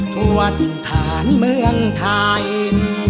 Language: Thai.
ทวดฐานเมืองไทย